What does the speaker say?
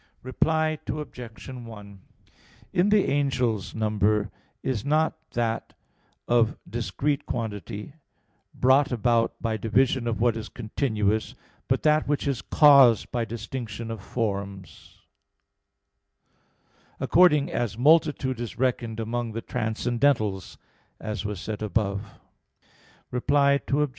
Reply Obj. 1: In the angels number is not that of discrete quantity, brought about by division of what is continuous, but that which is caused by distinction of forms; according as multitude is reckoned among the transcendentals, as was said above (Q. 30, A. 3; Q. 11).